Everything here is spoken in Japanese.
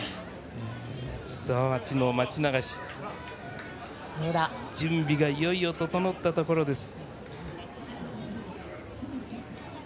町流しの準備がいよいよ整ったところです。